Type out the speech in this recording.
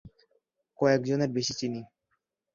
কয়েকজনের বেশি চিনি।